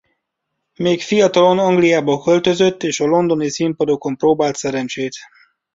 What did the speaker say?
Még fiatalon Angliába költözött és a londoni színpadokon próbált szerencsét.